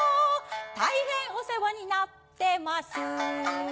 大変お世話になってます